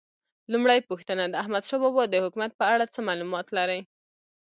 لومړۍ پوښتنه: د احمدشاه بابا د حکومت په اړه څه معلومات لرئ؟